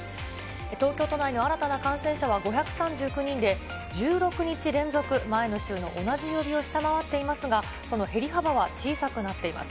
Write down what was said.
東京都内の新たな感染者は５３９人で、１６日連続前の週の同じ曜日を下回っていますが、その減り幅は小さくなっています。